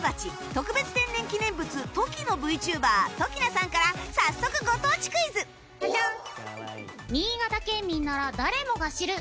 特別天然記念物トキの ＶＴｕｂｅｒ ときなさんから早速ご当地クイズジャジャン。